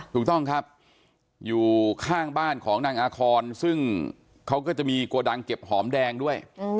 ถูกต้องครับอยู่ข้างบ้านของนางอาคอนซึ่งเขาก็จะมีโกดังเก็บหอมแดงด้วย